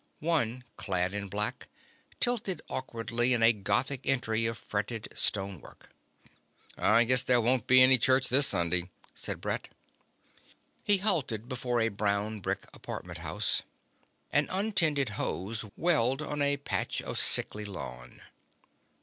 One, clad in black, tilted awkwardly in a gothic entry of fretted stone work. "I guess there won't be any church this Sunday," said Brett. He halted before a brown brick apartment house. An untended hose welled on a patch of sickly lawn.